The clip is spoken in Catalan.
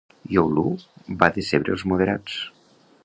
Youlou va decebre els "moderats".